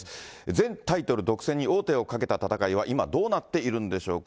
全タイトル独占に王手をかけた戦いは今、どうなっているんでしょうか。